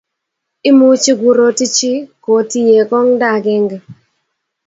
Imuchi kuroti chii koti ye kong'da agenge